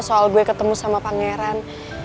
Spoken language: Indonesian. soal gue ketemu sama pangeran